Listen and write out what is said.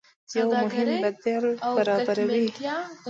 يو مهم بديل برابروي